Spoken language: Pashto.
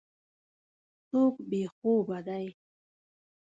څوک بې خوبه دی.